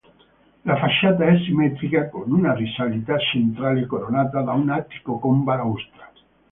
La facciata è simmetrica con una risalita centrale, coronata da un attico con balaustra.